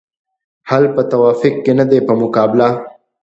حل په توافق کې دی نه په مقابله.